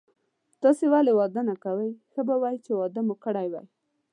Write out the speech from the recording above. تاسي ولي واده نه کوئ، ښه به وای چي واده مو کړی وای.